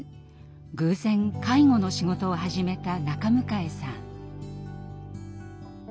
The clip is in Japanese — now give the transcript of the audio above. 偶然介護の仕事を始めた中迎さん。